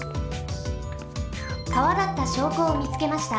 かわだったしょうこをみつけました。